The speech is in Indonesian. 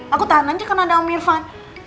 aku tahan aja karena ada om irfan